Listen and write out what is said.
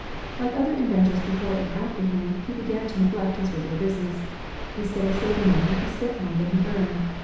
Like other inventors before and after him, he began to neglect his regular business. Instead of saving money, he spent more than he earned.